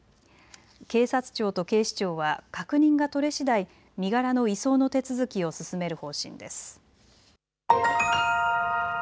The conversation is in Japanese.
警察庁と警視庁は確認が取れしだい身柄の移送の手続きを進める方針です。